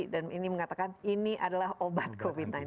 dan ini mengatakan ini adalah obat covid sembilan belas